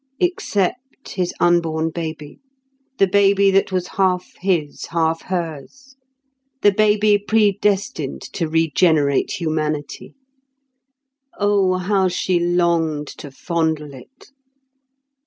Except his unborn baby—the baby that was half his, half hers—the baby predestined to regenerate humanity. Oh, how she longed to fondle it!